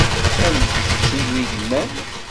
Amek tettili yemma-m?